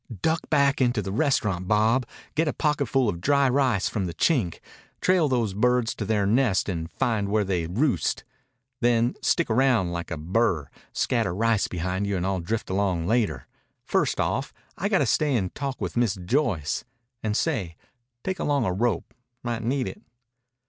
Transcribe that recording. "Duck back into the restaurant, Bob. Get a pocketful of dry rice from the Chink. Trail those birds to their nest and find where they roost. Then stick around like a burr. Scatter rice behind you, and I'll drift along later. First off, I got to stay and talk with Miss Joyce. And, say, take along a rope. Might need it."